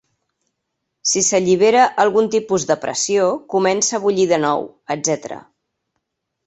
Si s'allibera algun tipus de pressió, comença a bullir de nou, etc.